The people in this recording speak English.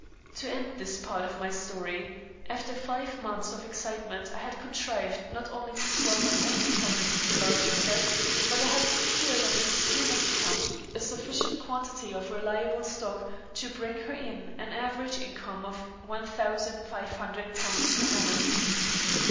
To end this part of my story, after five months of excitement I had contrived not only to swell my own deposits to a large extent, but I had secured on Mrs. Hillmer's account a sufficient quantity of reliable stock to bring her in an average income of £1,500 per annum.